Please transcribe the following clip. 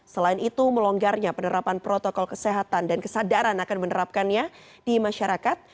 selain itu melonggarnya penerapan protokol kesehatan dan kesadaran akan menerapkannya di masyarakat